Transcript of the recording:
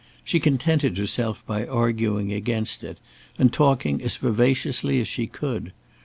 She contented herself by arguing against it, and talking as vivaciously as she could.